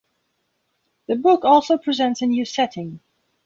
The book also presents a new setting.